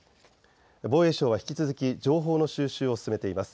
防衛省は引き続き情報の収集を進めています。